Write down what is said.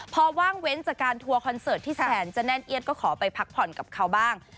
พอว่างเว้นจากการทัวร์คอนเสิร์ตที่แสนจะแน่นเอียดก็ขอไปพักผ่อนกับเขาบ้าง